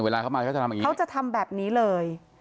เวลาเขามาเขาจะทำอย่างนี้เขาจะทำแบบนี้เลย